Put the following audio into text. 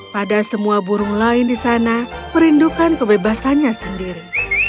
pada semua burung lain di sana merindukan kebebasannya sendiri